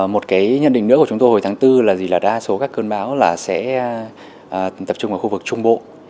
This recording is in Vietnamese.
một cái nhận định nữa của chúng tôi hồi tháng bốn là gì là đa số các cơn bão là sẽ tập trung vào khu vực trung bộ